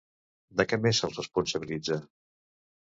De què més se'l responsabilitza?